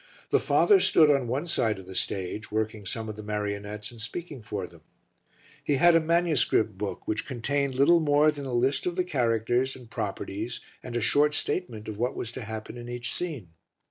The father stood on one side of the stage, working some of the marionettes and speaking for them. He had a MS. book which contained little more than a list of the characters and properties and a short statement of what was to happen in each scene.